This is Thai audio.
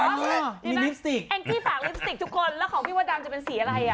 แข้งขี้ฝากลิปสติกทุกคนแล้วของพี่ว่าดังจะเป็นสีอะไร